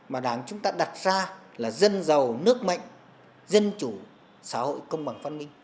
mà đáng chúng ta đặt ra là dân giàu nước mạnh dân chủ xã hội công bằng phát minh